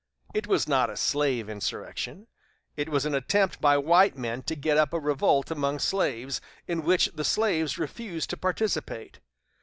It was not a slave insurrection. It was an attempt by white men to get up a revolt among slaves, in which the slaves refused to participate.